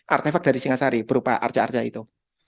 artefak dari singasari berupa arca arja itu